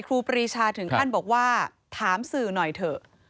ครีชาถึงขั้นบอกว่าถามสื่อหน่อยเถอะ